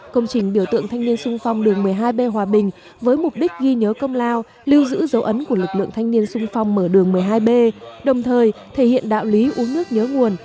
công trình biểu tượng thanh niên sung phong đường một mươi hai b hòa bình với mục đích ghi nhớ công lao lưu giữ dấu ấn của lực lượng thanh niên sung phong mở đường một mươi hai b đồng thời thể hiện đạo lý uống nước nhớ nguồn